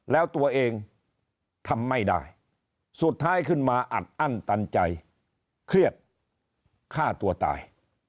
แล้วตัวเองทำไม่ได้สุดท้ายขึ้นมาอัดอั้นตันใจเครียดฆ่าตัวตาย